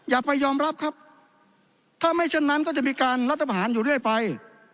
อย่าไปยอมรับครับถ้าไม่เช่นนั้นก็จะมีการรัฐประหารอยู่เรื่อยไป